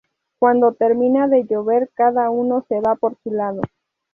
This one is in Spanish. Cuando termina de llover cada uno se va por su lado.